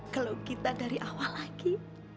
kalau kita dari awal lagi